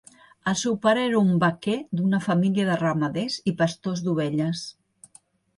El seu pare era un "vaquer" d'una família de ramaders i pastors d'ovelles.